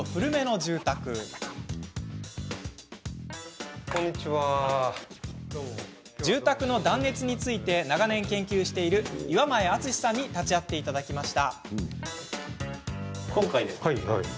住宅の断熱について長年研究している岩前篤さんに立ち会っていただきました。